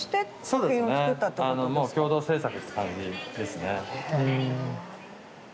そうですねもう共同制作って感じですね。